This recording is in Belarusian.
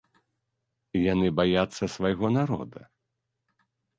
Яны баяцца свайго народа?